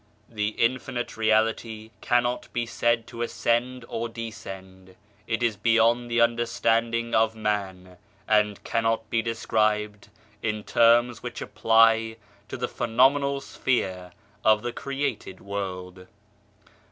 The Infinite Reality cannot be said to ascend or descend. It is beyond the understanding of man, and cannot be described in terms which apply to the phenomenal sphere of the created world.